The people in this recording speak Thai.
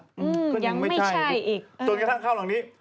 อื้มก็ยังไม่ใช่ต้นกระทั่งข้างล่างที่